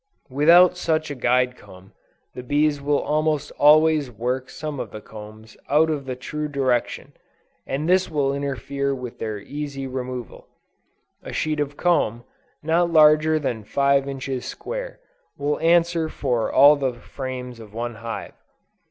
Without such a guide comb, the bees will almost always work some of the combs out of the true direction, and this will interfere with their easy removal. A sheet of comb, not larger than five inches square, will answer for all the frames of one hive.